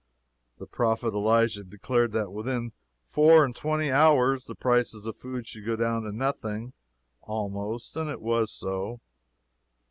The prophet Elisha declared that within four and twenty hours the prices of food should go down to nothing, almost, and it was so.